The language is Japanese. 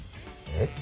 えっ？